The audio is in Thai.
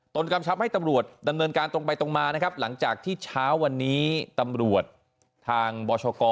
กำชับให้ตำรวจดำเนินการตรงไปตรงมานะครับหลังจากที่เช้าวันนี้ตำรวจทางบชก